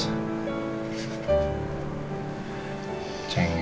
udah gak usah nangis